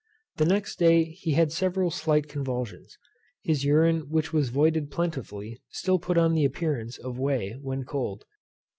The next day he had several slight convulsions. His urine which was voided plentifully, still put on the appearance of whey when cold.